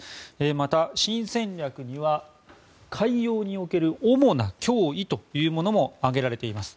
また新戦略には海洋における主な脅威というものも挙げられています。